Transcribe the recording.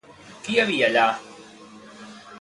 Qui hi havia allà?